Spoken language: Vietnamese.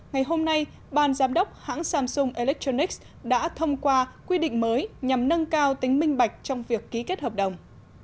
ngày hôm nay ban giám đốc hãng samsung electronics đã thông qua quy định mới nhằm nâng cao tính minh bạch trong việc ký kết hợp đồng